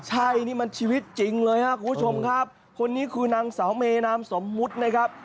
ใช่นี่มันชีวิตจริงเลยครับคุณผู้ชมครับคนนี้คือนางสาวเมนามสมมุตินะครับ